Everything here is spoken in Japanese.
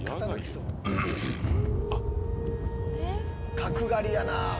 角刈りやなぁ。